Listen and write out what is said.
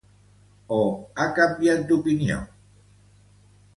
O ha canviat d’opinió?.